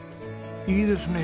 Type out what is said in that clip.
いいですね。